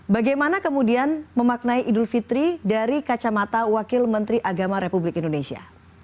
bagaimana kemudian memaknai idul fitri dari kacamata wakil menteri agama republik indonesia